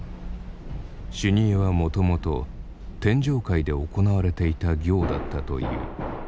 修二会はもともと天上界で行われていた行だったという。